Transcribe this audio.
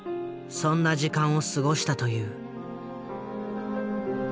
そんな時間を過ごしたという。